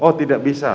oh tidak bisa